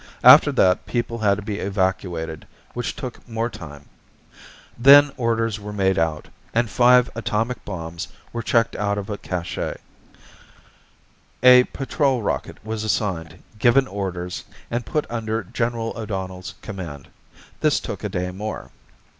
After that, people had to be evacuated, which took more time. Then orders were made out, and five atomic bombs were checked out of a cache. A patrol rocket was assigned, given orders, and put under General O'Donnell's command. This took a day more.